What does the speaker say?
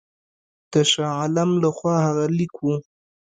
د شاه عالم له خوا هغه لیک وو.